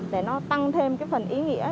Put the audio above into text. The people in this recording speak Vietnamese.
để nó tăng thêm cái phần ý nghĩa